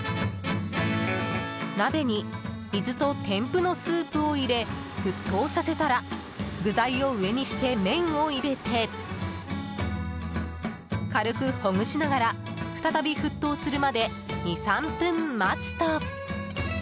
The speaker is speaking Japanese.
鍋に、水と添付のスープを入れ沸騰させたら具材を上にして麺を入れて軽くほぐしながら再び沸騰するまで２３分待つと。